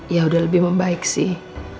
ya udah lebih membaik sih